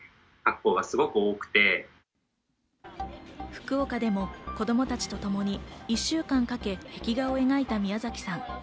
福岡でも子供たちとともに１週間かけ、壁画を描いたミヤザキさん。